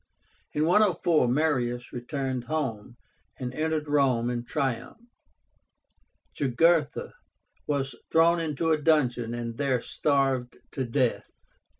In 104 Marius returned home, and entered Rome in triumph. Jugurtha was thrown into a dungeon, and there starved to death.